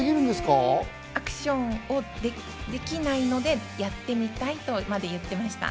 アクションをできないので、やってみたいとまで言ってました。